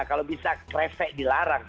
kalau bisa kresek dilarang